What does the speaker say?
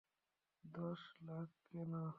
দশ লাখ কেন?